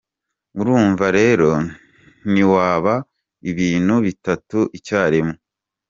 Urumva rero ntiwaba ibintu bitatu icyarimwe.